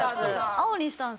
青にしたんですね。